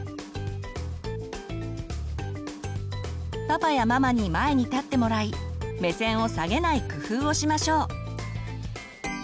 パパやママに前に立ってもらい目線を下げない工夫をしましょう。